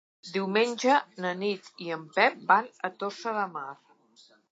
Diumenge na Nit i en Pep van a Tossa de Mar.